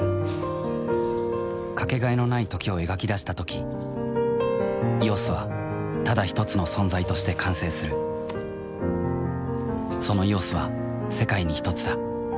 かけがえのない「時」を描き出したとき「ＥＯＳ」はただひとつの存在として完成するその「ＥＯＳ」は世界にひとつだ